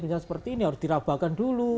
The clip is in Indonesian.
misalnya seperti ini harus dirabakan dulu